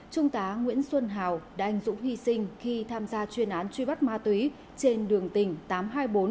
trung tá nguyễn xuân hào đành dụng hy sinh khi tham gia chuyên án truy bắt ma túy trên đường tỉnh tám trăm hai mươi bốn